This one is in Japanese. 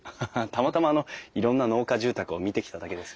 たまたまあのいろんな農家住宅を見てきただけです。